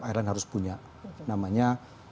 airline harus punya namanya